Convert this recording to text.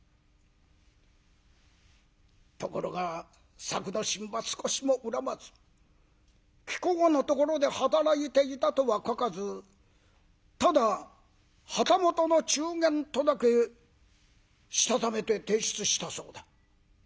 「ところが作之進は少しも恨まず貴公のところで働いていたとは書かずただ旗本の中間とだけしたためて提出したそうだ」。